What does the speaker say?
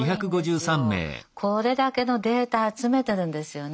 これだけのデータ集めてるんですよね。